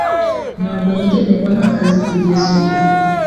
Ntabwo nigeze mbona akazi kugeza ubu.